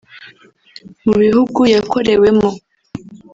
Mu bihugu yakorewemo